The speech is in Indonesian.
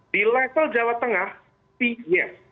di level jawa tengah p nya